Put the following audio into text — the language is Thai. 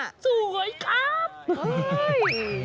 เสียงอ่อนเสียงหวาน